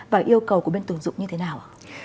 và yêu cầu của bên tuần dụng như thế nào